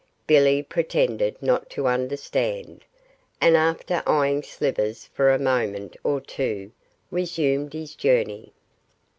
Billy pretended not to understand, and after eyeing Slivers for a moment or two resumed his journey.